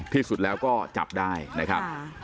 ที่สุดแล้วก็จับได้นะครับ